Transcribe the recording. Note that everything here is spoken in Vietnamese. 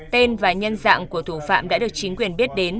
tên và nhân dạng của thủ phạm đã được chính quyền biết đến